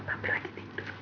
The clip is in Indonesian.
tapi lagi tidur